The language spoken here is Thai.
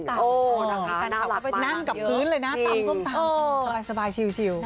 อ๋อนะคะน่ารับมากนั่นกับพื้นเลยนะตำส้มตำสบายชิว